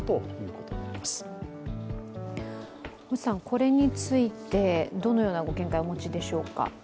これについて、どのようなご見解をお持ちでしょうか？